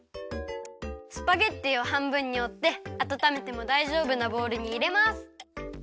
スパゲッティをはんぶんにおってあたためてもだいじょうぶなボウルにいれます。